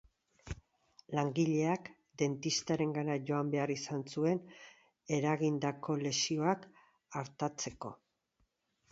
Langileak dentistarengana joan behar izan zuen eragindako lesioak artatzeko.